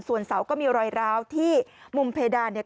ส่วนเสาก็มีรอยร้าวที่มุมเพดานเนี่ย